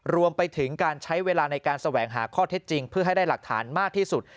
รวมไปถึงการใช้เวลาในการแสวงหาข้อเท็จจริงเพื่อให้ได้หลักฐานมากที่สุด